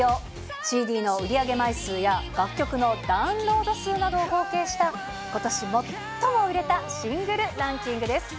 ＣＤの売り上げ枚数や、楽曲のダウンロード数などを合計したことし最も売れたシングルランキングです。